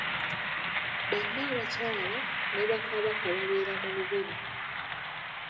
Bannaabakyala ne bakabaka babeera mu lubiri.